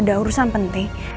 udah urusan penting